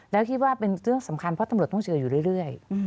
แล้วคิดว่าเป็นเรื่องสำคัญเพราะตำรวจต้องเจออยู่เรื่อย